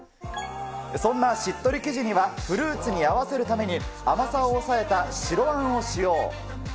そんなしっとり生地にはフルーツに合わせるために、甘さを抑えた白あんを使用。